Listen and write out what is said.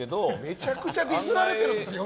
めちゃくちゃディスられてるんですよ？